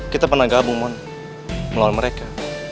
kita pernah gabung melawan mereka